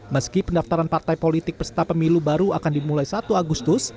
meski pendaftaran partai politik peserta pemilu baru akan dimulai satu agustus